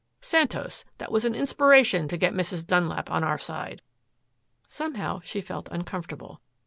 Santos, that was an inspiration to get Mrs. Dunlap on our side." Somehow she felt uncomfortable.